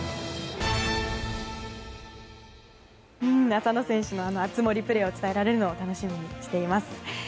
浅野選手の熱盛プレーを伝えられるのを楽しみにしています。